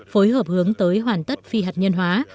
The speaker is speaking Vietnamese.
phối hợp hướng tới hoàn tất phi hạt nhân hóa